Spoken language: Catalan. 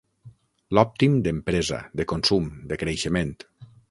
L'òptim d'empresa, de consum, de creixement.